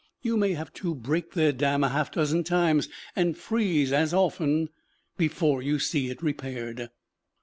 You may have to break their dam half a dozen times, and freeze as often, before you see it repaired.